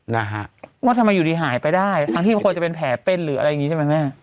นะฮะว่าทำไมอยู่ดีหายไปได้ทั้งที่ควรจะเป็นแผลเป็นหรืออะไรอย่างงี้ใช่ไหมแม่